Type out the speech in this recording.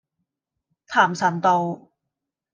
譚臣道